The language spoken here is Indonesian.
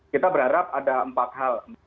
kita berharap ada empat hal